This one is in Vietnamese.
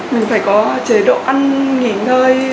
mình phải có chế độ ăn nghỉ ngơi